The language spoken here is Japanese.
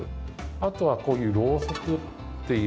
あとはこういうロウソクっていう。